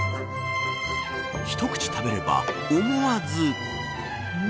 一口食べれば、思わず。